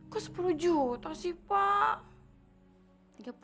kok sepuluh juta sih pak